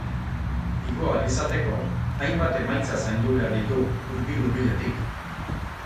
Igo ahal izateko, hainbat emaitza zaindu behar ditu hurbil-hurbiletik.